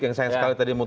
yang saya sekali tadi